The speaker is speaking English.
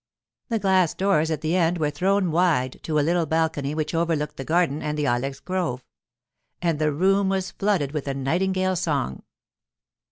The glass doors at the end were thrown wide to a little balcony which overlooked the garden and the ilex grove; and the room was flooded with a nightingale's song.